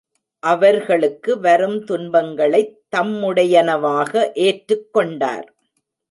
அவர்களுக்கு வரும் துன்பங்களைத் தம்முடையனவாக ஏற்றுக் கொண்டார்.